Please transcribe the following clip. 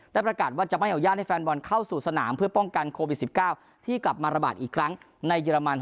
ประกาศว่าจะไม่อนุญาตให้แฟนบอลเข้าสู่สนามเพื่อป้องกันโควิด๑๙ที่กลับมาระบาดอีกครั้งในเยอรมัน